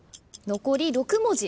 残り６文字。